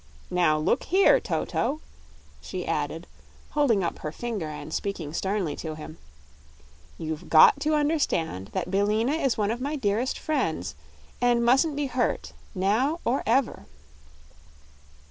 Now look here, Toto," she added, holding up her finger and speaking sternly to him, "you've got to understand that Billina is one of my dearest friends, and musn't be hurt now or ever."